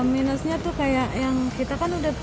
minusnya tuh kayak yang kita kan udah